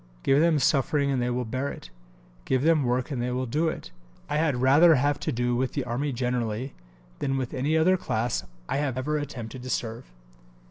Give them suffering and they will bear it. Give them work and they will do it. I had rather have to do with the Army generally than with any other class I have ever attempted to serve."